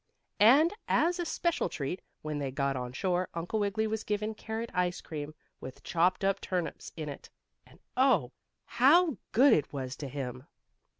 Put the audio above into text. And, as a special treat, when they got on shore, Uncle Wiggily was given carrot ice cream, with chopped up turnips in it. And oh, how good it was to him!